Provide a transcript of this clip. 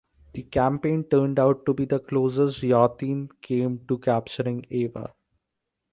The campaign turned out to be the closest Kyawhtin came to capturing Ava.